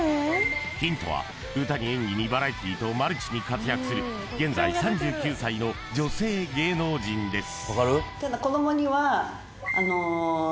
ヒントは歌に演技にバラエティとマルチに活躍する現在３９歳の女性芸能人です